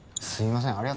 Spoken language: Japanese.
すいません